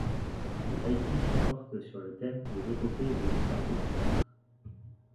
Les aïtyshs portent sur le thème des épopées et des histoires populaires.